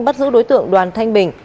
bắt giữ đối tượng đoàn thanh bình